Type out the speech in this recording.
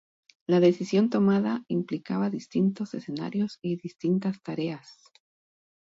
La decisión tomada implicaba distintos escenarios y distintas tareas.